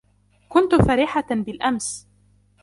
كنت فرِحةً بالأمس.